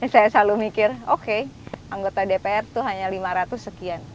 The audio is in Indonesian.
saya selalu mikir oke anggota dpr itu hanya lima ratus sekian